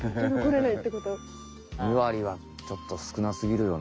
２割はちょっとすくなすぎるよね。